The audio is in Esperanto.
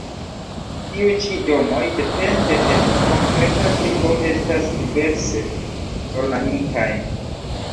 Tiuj ĉi domoj, depende en konkreta tribo, estas diverse ornamitaj.